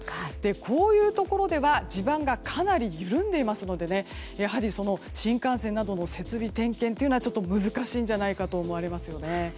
こういうところでは地盤がかなり緩んでいますのでやはり、新幹線などの設備点検というのは難しいんじゃないかと思われますよね。